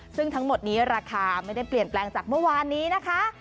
ซึ่งทั้งหมดนี้ราคาไม่ได้เปลี่ยนแปลงจากเมื่อวานนี้นะคะ